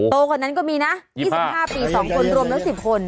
กว่านั้นก็มีนะ๒๕ปี๒คนรวมแล้ว๑๐คน